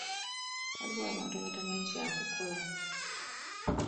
Waliwo abantu abatamanyi kyakukola.